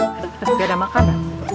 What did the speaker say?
tidak ada makanan